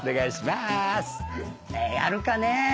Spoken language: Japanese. やるかねぇ。